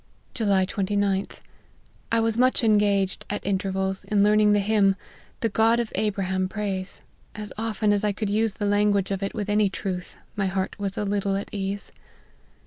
" July 29th. I was much engaged, at intervals, 52 LIFE OF HENRY MARTYN. in learning the hymn, ' The God of Abraham praise ;' as often as I could use the language of it with any truth, my heart was a little at ease.